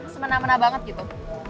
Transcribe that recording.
semenah menah banget gitu